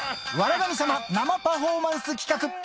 神様生パフォーマンス企画。